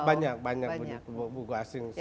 banyak banyak buku asing